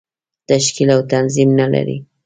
تشکیل او تنظیم نه لري.